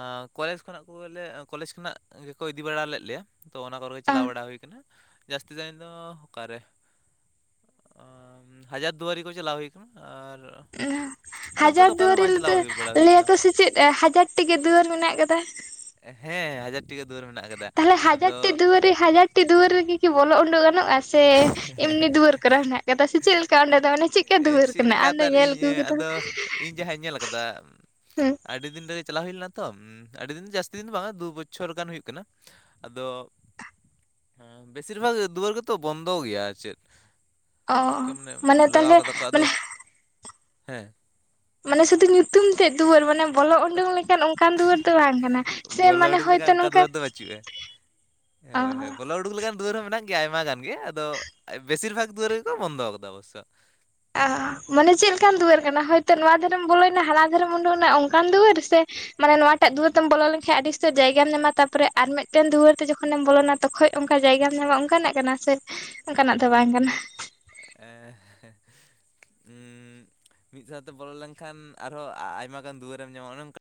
ᱟᱸ ᱠᱚᱞᱮᱡᱽ ᱠᱷᱚᱱᱟᱜ ᱠᱚᱞᱮ ᱠᱚᱞᱮᱡᱽ ᱠᱷᱚᱱᱟᱜ ᱜᱮᱠᱚ ᱤᱫᱤ ᱵᱟᱲᱟ ᱞᱮᱫ ᱞᱮᱭᱟ᱾ ᱛᱚ ᱚᱱᱟ ᱠᱚᱨᱮ ᱜᱮ ᱚ ᱪᱟᱞᱟᱣ ᱵᱟᱲᱟ ᱦᱩᱭ ᱠᱟᱱᱟ ᱾ ᱡᱟᱹᱥᱛᱤ ᱫᱟᱭ ᱫᱚ ᱚᱠᱟᱨᱮ ᱚ ᱦᱟᱡᱟᱨ ᱫᱩᱣᱟᱹᱨᱤ ᱠᱚ ᱪᱟᱞᱟᱣ ᱦᱩᱭ ᱠᱟᱱᱟ᱾ ᱟᱨ, ᱮᱸᱦ ᱦᱟᱡᱟᱨ ᱚᱠᱟ ᱨᱮᱦᱚᱸ ᱫᱩᱣᱟᱹᱨᱤ ᱵᱟᱝ ᱪᱟᱞᱟᱣ ᱨᱮ ᱦᱩᱭ ᱵᱟᱲᱟ ᱦᱩᱭ ᱟᱠᱟᱱᱟ ᱞᱟᱹᱭᱟᱠᱚ ᱥᱮ ᱪᱮᱫ ᱦᱟᱡᱟᱨ ᱴᱤᱜ ᱜᱮ ᱫᱩᱣᱟᱹᱨ ᱢᱮᱱᱟᱜ ᱠᱟᱫᱟ ᱾ ᱦᱮᱸ ᱦᱟᱡᱟ ᱴᱤᱠᱟᱹ ᱫᱩᱣᱟᱹᱨ ᱢᱮᱱᱟᱜ ᱟᱠᱟᱫᱟ ᱾ ᱛᱟᱦᱞᱮ ᱦᱟᱡᱟᱨ ᱴᱤ ᱫᱩᱣᱟᱹᱨ ᱨᱮ ᱦᱟᱡᱟᱨ ᱴᱤ ᱫᱩᱣᱟᱹᱨ ᱨᱮᱜᱮ ᱠᱤ ᱵᱚᱞᱚ ᱚᱸᱰᱚᱜ ᱜᱟᱱᱚᱜᱼᱟ᱾ ᱪᱮ ᱮᱢᱱᱤ ᱫᱩᱣᱟᱹᱨ ᱠᱟᱱᱟ ᱱᱷᱟᱜ ᱠᱟᱫᱟ ᱥᱮ ᱪᱮᱫ ᱞᱮᱠᱟ ᱚᱸᱰᱮ ᱫᱚ ᱢᱟᱱᱮ ᱪᱮᱫ ᱠᱟ ᱫᱩᱣᱟᱹᱨ ᱠᱟᱱᱟ? ᱟᱢᱫᱚ ᱧᱮᱞ ᱟᱹᱜᱩ ᱟᱠᱟᱫᱟᱢ ᱾ ᱫᱚ ᱤᱧ ᱡᱟᱦᱟᱧ ᱧᱮᱞ ᱠᱟᱫᱟ᱾ ᱦᱩᱸ ᱟᱹᱰᱤ ᱫᱤᱱ ᱨᱮ ᱪᱟᱞᱟᱣ ᱦᱩᱭ ᱞᱮᱱᱟ ᱛᱚ ᱟᱹᱰᱤ ᱫᱤᱱ ᱡᱟᱹᱥ ᱛᱤᱱ ᱢᱟ ᱵᱟᱝᱟ ᱫᱩ ᱵᱚᱪᱷᱚᱨ ᱜᱟᱱ ᱦᱩᱭᱩᱜ ᱠᱟᱱᱟ ᱟᱫᱚ ᱦᱮᱸ ᱵᱮᱥᱤᱨ ᱵᱷᱟᱜᱽ ᱫᱩᱣᱟᱹᱨ ᱜᱮᱛᱚ ᱵᱚᱱᱫᱚ ᱜᱮᱭᱟ ᱟᱨᱪᱮᱫ ᱾ ᱚ ᱪᱤᱠᱟᱹ ᱢᱟᱱᱮ ᱞᱟᱜᱟᱣ ᱛᱟᱦᱚᱞᱮ ᱠᱟᱫᱟ ᱠᱚ ᱟᱫᱚ ᱢᱟᱱᱮ ᱦᱮᱸ᱾ ᱢᱟᱱᱮ ᱥᱩᱫᱩ ᱧᱩᱛᱩᱢ ᱛᱮᱫ ᱫᱩᱣᱟᱹᱨ ᱢᱟᱱᱮ ᱵᱚᱞᱚ ᱩᱰᱩᱝ ᱞᱮᱠᱟᱱ ᱚᱱᱠᱟᱱ ᱫᱩᱣᱟᱹᱨ ᱫᱚ ᱵᱟᱝ ᱠᱟᱱᱟ ᱾ ᱵᱚᱞᱚ ᱩᱰᱩᱠ ᱞᱮᱠᱷᱟᱱ ᱚᱱᱠᱟᱱ ᱫᱩᱣᱟᱹᱨ ᱫᱚ ᱵᱟᱹᱪᱩᱜᱼᱟ ᱦᱮᱸ ᱚ ᱦᱳᱭ ᱦᱳᱭ᱾ ᱵᱚᱞᱚ ᱩᱰᱩᱠ ᱞᱮᱠᱟᱱ ᱫᱩᱣᱟᱹᱨ ᱦᱚᱸ ᱢᱮᱱᱟᱜ ᱜᱮᱭᱟ ᱟᱭᱢᱟ ᱜᱟᱱ ᱜᱮ ᱟᱫᱚ ᱵᱮᱥᱤᱨ ᱵᱷᱟᱜᱽ ᱫᱩᱣᱟᱹᱨ ᱜᱮᱠᱚ ᱵᱚᱱᱫᱚ ᱟᱠᱟᱫᱟ ᱚᱵᱚᱥᱥᱚ᱾ [inaudible] ᱟᱦᱟ ᱢᱟᱱᱮ ᱪᱮᱫ ᱞᱮᱠᱟᱱ ᱫᱩᱣᱟᱹᱨ ᱠᱟᱱᱟ? ᱦᱚᱭ ᱛᱚ ᱱᱚᱣᱟ ᱫᱷᱟᱨᱮᱢ ᱵᱚᱞᱚᱭᱮᱱᱟ ᱦᱟᱱᱟ ᱫᱷᱟᱨᱮᱢ ᱩᱰᱩᱠᱮᱱᱟ ᱚᱱᱠᱟᱱ ᱫᱩᱣᱟᱹᱨ? ᱥᱮ ᱢᱟᱱᱮ ᱱᱚᱣᱟ ᱴᱟᱜ ᱫᱩᱣᱟᱹᱨ ᱛᱮᱢ ᱵᱚᱞᱚ ᱞᱮᱱᱠᱷᱟᱱ ᱟᱹᱰᱤ ᱩᱥᱛᱟᱹᱨ ᱡᱟᱭᱜᱟᱢ ᱧᱟᱢᱟ ᱛᱟᱯᱚᱨᱮ ᱟᱨ ᱢᱤᱫᱴᱮᱱ ᱫᱩᱣᱟᱹᱨ ᱛᱮ ᱡᱚᱠᱷᱚᱱᱮᱢ ᱵᱚᱞᱚᱱᱟ ᱛᱚᱠᱷᱚᱡ ᱚᱱᱠᱟ ᱡᱟᱭᱜᱟᱢ ᱧᱟᱢᱟ ᱚᱱᱠᱟᱱᱟᱜ ᱠᱟᱱᱟ ᱥᱮ ᱚᱱᱠᱟᱱᱟᱜ ᱫᱚ ᱵᱟᱝ ᱠᱟᱱᱟ? ᱮᱻ ᱦᱮᱸ᱾ ᱩᱸᱻ ᱢᱤᱫ ᱥᱟᱶᱛᱮ ᱵᱚᱞᱚ ᱞᱮᱱᱠᱷᱟᱱ ᱟᱨᱦᱚᱸ ᱟᱭᱢᱟ ᱜᱟᱱ ᱫᱩᱣᱟᱹᱨᱮᱢ ᱧᱟᱢᱟ ᱚᱱᱮᱠᱟ